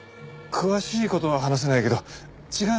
詳しい事は話せないけど違うのは確かだね。